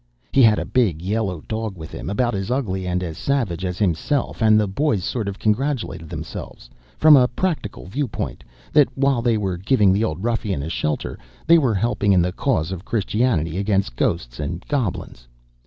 He had a big yellow dog with him, about as ugly and as savage as himself; and the boys sort o' congratulated themselves, from a practical view point, that while they were giving the old ruffian a shelter, they were helping in the cause of Christianity against ghosts and goblins.